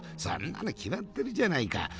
そんなの決まってるじゃないか。